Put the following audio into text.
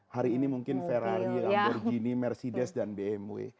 hari ini mungkin ferrari lamborghini mercedes dan bmw